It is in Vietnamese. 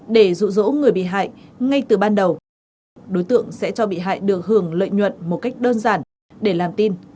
để dụ dỗ người bị hại ngay từ ban đầu đối tượng sẽ cho bị hại được hưởng lợi nhuận một cách đơn giản để làm tin